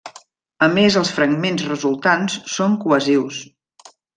A més els fragments resultants són cohesius.